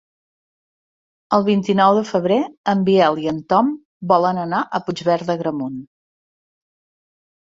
El vint-i-nou de febrer en Biel i en Tom volen anar a Puigverd d'Agramunt.